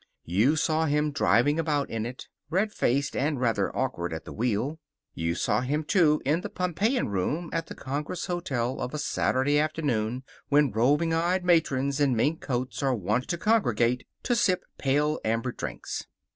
You saw him driving about in it, red faced and rather awkward at the wheel. You saw him, too, in the Pompeian Room at the Congress Hotel of a Saturday afternoon when roving eyed matrons in mink coats are wont to congregate to sip pale amber drinks.